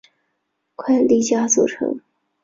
快利佳组成。